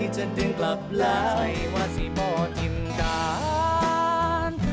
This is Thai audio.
ใส่ว่าสิบ่อจิ้มการ